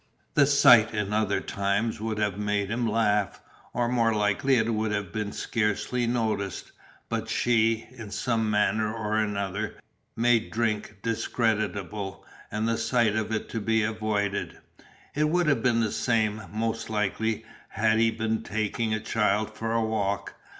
The sight in other times would have made him laugh, or more likely it would have been scarcely noticed, but She, in some manner or another, made drink discreditable, and the sight of it to be avoided. It would have been the same, most likely, had he been taking a child for a walk.